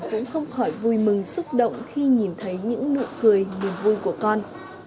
cũng không khỏi vui mừng xúc động khi nhìn thấy những nụ cười niềm vui của con